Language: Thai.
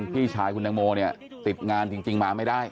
พี่ชายคุณแต่งโมติดงานจริงมาไม่ได้